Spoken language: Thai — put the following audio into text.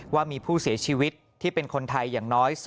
ว่ามีผู้เสียชีวิตที่เป็นคนไทยอย่างน้อย